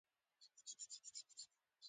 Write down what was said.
پېښه کېدای شي له اصلي څخه ښه یا بده وي